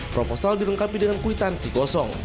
proposal dilengkapi dengan kwitansi kosong